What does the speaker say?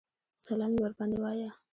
سلام یې ورباندې وایه.